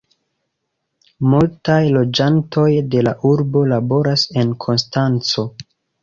Multaj loĝantoj de la urbo laboras en Konstanco.